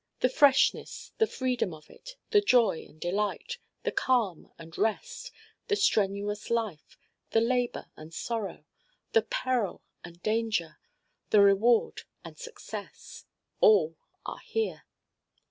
The freshness, the freedom of it, the joy and delight, the calm and rest, the strenuous life, the labor and sorrow, the peril and danger, the reward and success, all are here.